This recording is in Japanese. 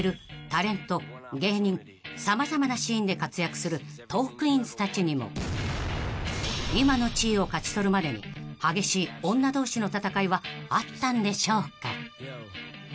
［様々なシーンで活躍するトークィーンズたちにも今の地位を勝ち取るまでに激しい女同士の戦いはあったんでしょうか？］